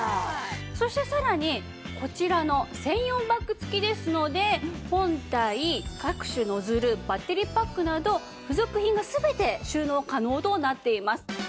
そしてさらにこちらの専用バッグ付きですので本体各種ノズルバッテリーパックなど付属品が全て収納可能となっています。